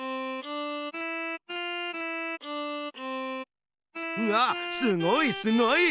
うわっすごいすごい！